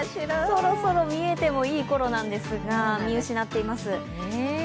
そろそろ見えてもいいころなんですが、見失っています。